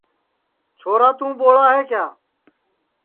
چھورا توں ٻوڑ ہے کیا